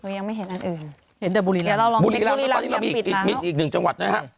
ยังไม่เห็นอันอื่นเห็นแต่บุรีรังบุรีรังอีกหนึ่งจังหวัดนะฮะ